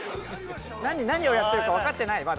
何をやってるかわかってないまだ。